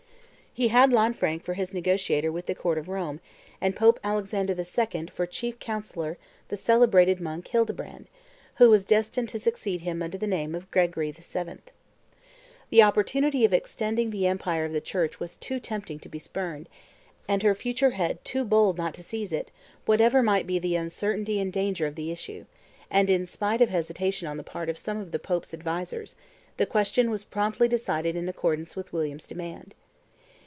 He had Lanfranc for his negotiator with the court of Rome, and Pope Alexander II. had for chief counsellor the celebrated monk Hildebrand, who was destined to succeed him under the name of Gregory VII. The opportunity of extending the empire of the Church was too tempting to be spurned, and her future head too bold not to seize it whatever might be the uncertainty and danger of the issue; and in spite of hesitation on the part of some of the Pope's advisers, the question was promptly decided in accordance with William's demand.